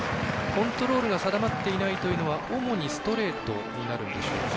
コントロールが定まっていないというのは主にストレートになるんでしょうか？